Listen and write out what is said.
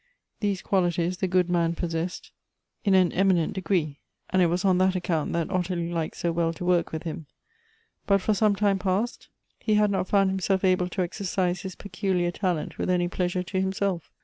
These qualities the good man possessed in an Elective Affinities. 237 eminent degree, anJ it was on that account Aat Ottilie liked so well to work with him ; but for some time past he had not found himself able to exercise his peculiar talent with any pleasure to himself.